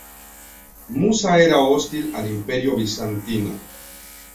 Musa era hostil al Imperio bizantino.